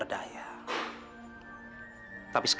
saya juga ingin mencari saskia